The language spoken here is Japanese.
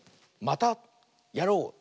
「またやろう！」。